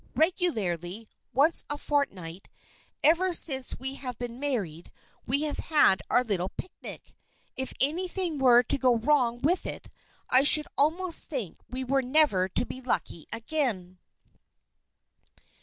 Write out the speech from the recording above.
Regularly, once a fortnight, ever since we have been married we have had our little picnic. If anything were to go wrong with it, I should almost think we were never to be lucky again."